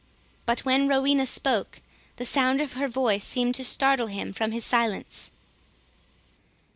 But when Rowena spoke, the sound of her voice seemed to startle him from his silence.